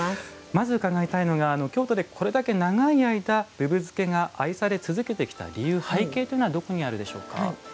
まず伺いたいのが、京都でこれだけ長い間、ぶぶ漬けが愛され続けてきた理由背景というのはどこにあるでしょうか？